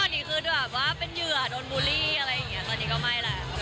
ก็อันนี้คือเป็นเหยื่อโดนบูรีตอนนี้ก็ไม่แล้ว